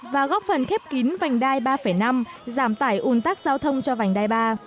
và góp phần khép kín vành đai ba năm giảm tải un tắc giao thông cho vành đai ba